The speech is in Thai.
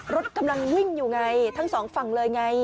รถกำลังวิ่งอยู่ไงทั้งสองฝั่งเลยไง